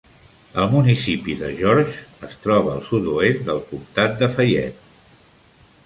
El municipi de Georges es troba al sud-oest del comtat de Fayette.